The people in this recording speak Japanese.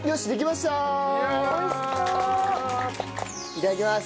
いただきます！